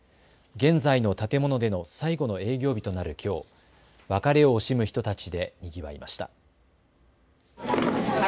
現在の建物での最後の営業日となるきょう別れを惜しむ人たちでにぎわいました。